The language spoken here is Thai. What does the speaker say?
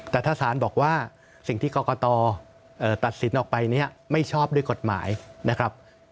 แต่ถ้าศาลบอกว่าสิ่งที่กรกตตัดสินออกไปเนี่ยไม่ชอบด้วยกฎหมายนะครับ